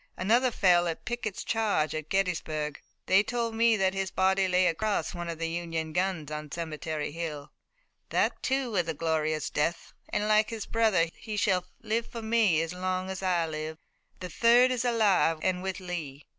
Another fell in Pickett's charge at Gettysburg. They told me that his body lay across one of the Union guns on Cemetery Hill. That, too, was a glorious death, and like his brother he shall live for me as long as I live. The third is alive and with Lee."